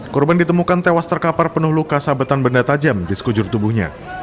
korban ditemukan tewas terkapar penuh luka sabetan benda tajam di sekujur tubuhnya